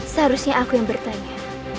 seharusnya aku yang bertanya